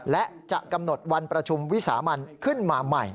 และจะกำหนดวันประชุมวิสามันขึ้นมาใหม่